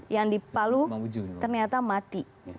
yang di palu ternyata mati